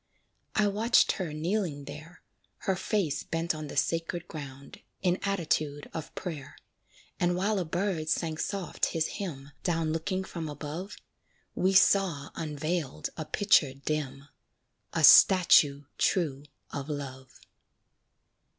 I watched her kneeling there, Her face bent on the sacred ground, In attitude of prayer; And while a bird sang soft his hymn, Down looking from above, We saw unveiled a picture dim A statue true of love.